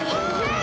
あ！